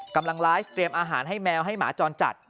กำลังไลฟ์เตรียมอาหารให้แมวให้หมาจรจัด